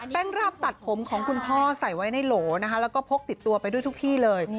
ราบตัดผมของคุณพ่อใส่ไว้ในโหลนะคะแล้วก็พกติดตัวไปด้วยทุกที่เลย